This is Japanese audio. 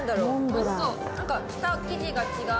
おいしそう。